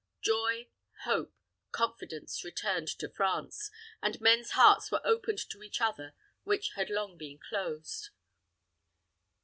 Joy, hope, confidence returned to France, and men's hearts were opened to each other which had long been closed.